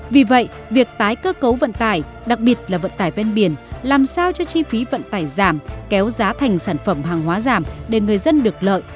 vì vậy việc tái cơ cấu vận tải đặc biệt là vận tải ven biển làm sao cho chi phí vận tải giảm kéo giá thành sản phẩm hàng hóa giảm để người dân được lợi